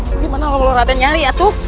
bagaimana kalau raden mencari